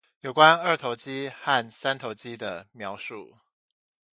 有關二頭肌和三頭肌的描述